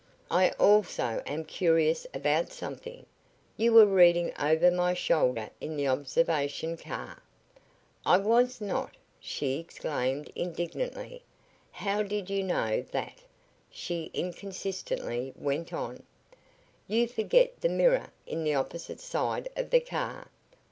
"I also am curious about something. You were reading over my shoulder in the observation car " "I was not!" she exclaimed, indignantly. "How did you know that?" she inconsistently went on. "You forget the mirror in the opposite side of the car."